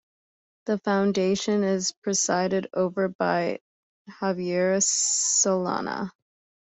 The Foundation is presided over by Javier Solana.